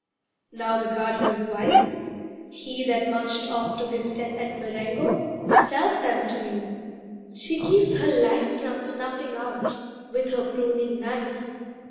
Now the Gardener's wife, He that marched off to his death at Marengo, Sells them to me; she keeps her life From snuffing out, with her pruning knife.